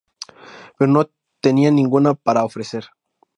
Pero no tenían ninguna para ofrecer.